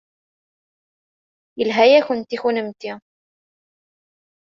Yelha-yakent i kunemti.